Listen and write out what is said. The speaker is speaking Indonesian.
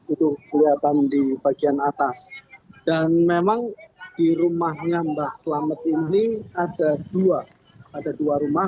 itu kelihatan di bagian atas dan memang di rumahnya mbah selamet ini ada dua ada dua rumah